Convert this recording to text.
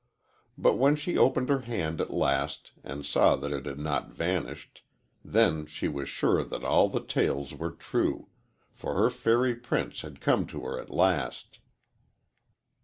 But when she opened her hand at last and saw that it had not vanished, then she was sure that all the tales were true, for her fairy prince had come to her at last."